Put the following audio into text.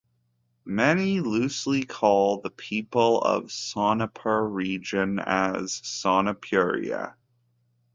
Many loosely call the people of Sonepur region as Sonepuria.